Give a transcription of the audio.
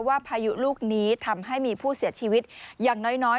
พายุลูกนี้ทำให้มีผู้เสียชีวิตอย่างน้อย